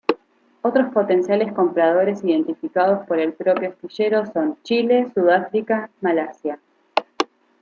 Otros potenciales compradores identificados por el propio astillero son Chile, Sudáfrica, Malasia.